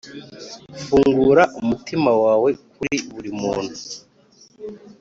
fungura umutima wawe kuri buri muntu